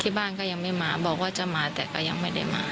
บ้านก็ยังไม่มาบอกว่าจะมาแต่ก็ยังไม่ได้มา